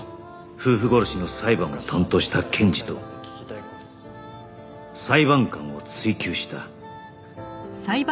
夫婦殺しの裁判を担当した検事と裁判官を追及した